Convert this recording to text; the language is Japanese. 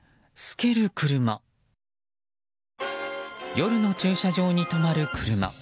夜の駐車場に止まる車。